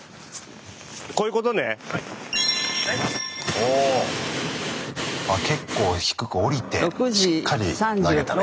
おお結構低く降りてしっかり投げたね。